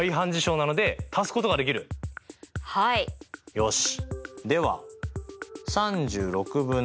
よし。